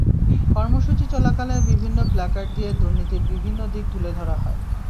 কর্মসূচি চলাকালে বিভিন্ন প্ল্যাকার্ড দিয়ে দুর্নীতির বিভিন্ন দিক তুলে ধরা হয়।